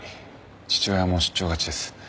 父親も出張がちです。